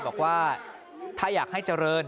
บอกว่าถ้าอยากให้เจริญ